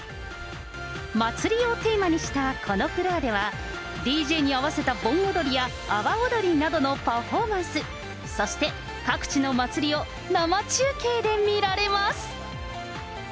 祭りをテーマにしたこのフロアでは、ＤＪに合わせた盆踊りや、阿波踊りなどのパフォーマンス、そして各地の祭りを生中継で見られます。